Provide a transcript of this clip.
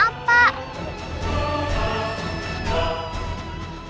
iya maaf pak